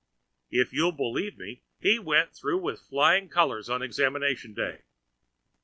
If you'll believe me, he went through with flying colours on examination day!